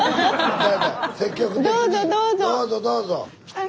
どうぞどうぞ！